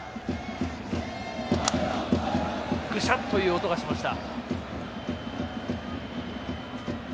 グシャッという音がしました。